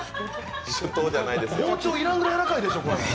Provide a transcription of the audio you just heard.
包丁要らんぐらいやわらかいでしょ。